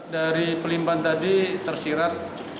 dari pelimpahan tadi tersirat